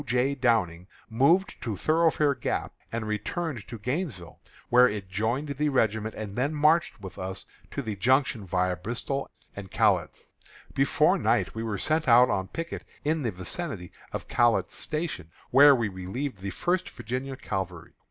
J. Downing, moved to Thoroughfare Gap and returned to Gainesville, where it joined the regiment, and then marched with us to the Junction viâ Bristoe and Catlett's. Before night we were sent out on picket in the vicinity of Catlett's Station, where we relieved the First Virginia Cavalry.